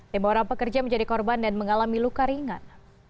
teman teman pekerja menjadi korban dan mengalami luka ringan